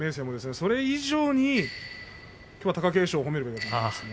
それ以上に、きょうは貴景勝を褒めるべきですね。